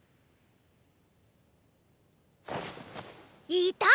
いた！